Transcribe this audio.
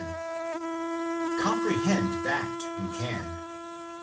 Comprehend that who can.